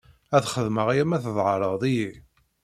Ad xedmeɣ aya ma tdehleḍ-iyi.